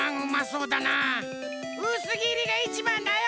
うすぎりがいちばんだよ。